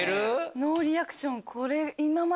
ノーリアクション。